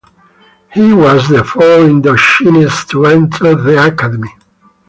He was the fourth Indochinese to enter the academy.